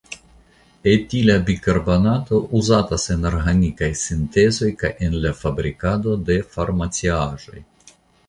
Etila bikarbonato uzatas en orgnaikaj sintezoj kaj en la fabrikado de farmaciaĵoj.